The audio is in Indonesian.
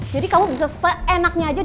jadi kamu bisa seenaknya aja